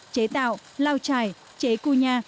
chế tạo lao trải chế cua nha